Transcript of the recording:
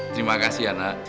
terima kasih ana